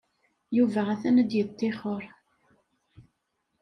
Yuba atan ad yettixer.